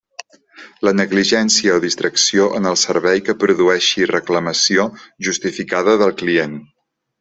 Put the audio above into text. La negligència o distracció en el servei que produeixi reclamació justificada del client.